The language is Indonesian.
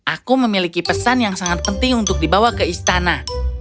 aku memiliki pesan yang sangat penting untuk dibawa ke istana